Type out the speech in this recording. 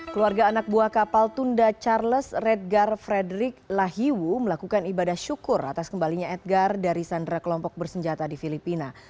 keluarga anak buah kapal tunda charles redgar frederick lahiwu melakukan ibadah syukur atas kembalinya edgar dari sandra kelompok bersenjata di filipina